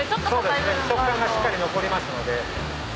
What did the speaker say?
食感がしっかり残りますので。